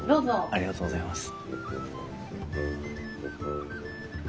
ありがとうございます。